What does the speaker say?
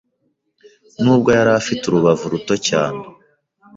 nubwo yari afite urubavu ruto cyane